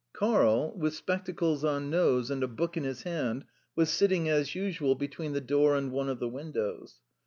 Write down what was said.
Karl, with spectacles on nose and a book in his hand, was sitting, as usual, between the door and one of the windows.